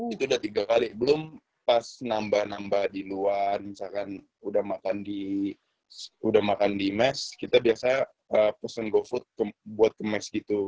itu udah tiga kali belum pas nambah nambah di luar misalkan udah makan di mes kita biasanya pesen gofood buat ke mes gitu